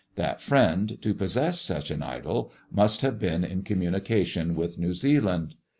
That friend, to possess such an idol, must have been in communication with Kew Zealand.